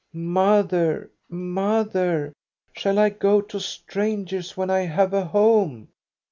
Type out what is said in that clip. Mother, mother, shall I go to strangers when I have a home?